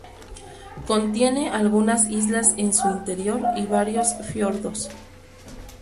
Contiene algunas islas en su interior y varios fiordos.